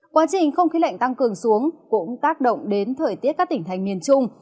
quá trình không khí lạnh tăng cường xuống cũng tác động đến thời tiết các tỉnh thành miền trung